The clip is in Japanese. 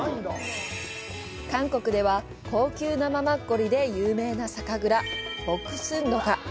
韓国では高級生マッコリで有名な酒蔵ボクスンドガ。